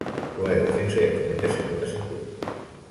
Juega de defensa y actualmente se encuentra sin club.